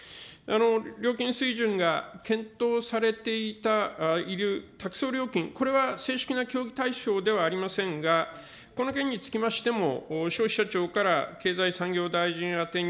料金水準が検討されていた、いる料金、これは正式な協議対象ではありませんが、この件につきましても、消費者庁から経済産業大臣宛てに、